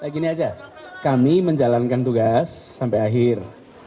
gini aja kami menjalankan tugas sampai akhir